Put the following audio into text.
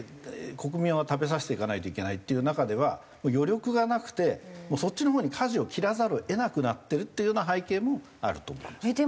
国民は食べさせていかないといけないっていう中では余力がなくてそっちのほうに舵を切らざるを得なくなってるっていうような背景もあると思います。